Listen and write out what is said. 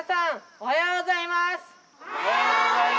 おはようございます！